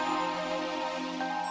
masih gak bisa